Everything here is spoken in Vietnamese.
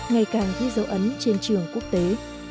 ngày càng ghi dấu ấn trên trường quốc tế